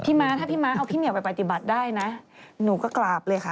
ม้าถ้าพี่ม้าเอาพี่เหมียวไปปฏิบัติได้นะหนูก็กราบเลยค่ะ